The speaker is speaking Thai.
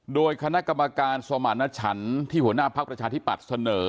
โดยคณะกรรมการสมารณชันที่หัวหน้าพักประชาธิปัตย์เสนอ